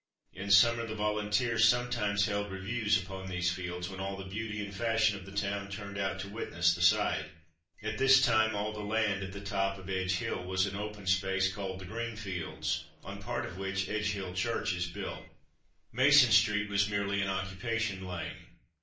In summer the volunteers sometimes held reviews upon these fields, when all the beauty and fashion of the town turned out to witness the sight. At this time all the land at the top of Edge hill was an open space called the Greenfields, on part of which Edge hill church is built. Mason street was merely an occupation lane.